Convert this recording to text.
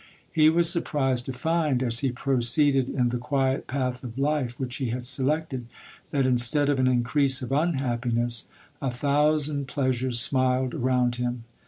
He was surprised to find, as he proceeded in the quiet path of life which he had selected, that instead of an increase of unhappiness, a thousand pleasures smiled around him.